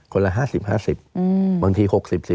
ละ๕๐๕๐บางที๖๐๔๐